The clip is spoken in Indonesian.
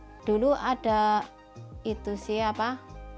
paling ya kalau udah mahrib gelap udah tutup